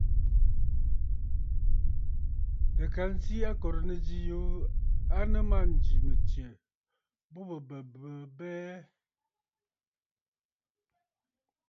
Nɨ̀ ka nzi akòrə̀ nɨzî yuu nɨ mânjì mɨ̀tsyɛ̀ bu bɨ bə̀ bɨ abɛɛ.